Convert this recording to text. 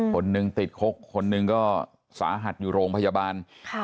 คนหนึ่งติดคุกคนหนึ่งก็สาหัสอยู่โรงพยาบาล